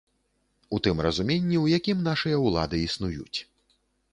У тым разуменні, у якім нашыя ўлады існуюць.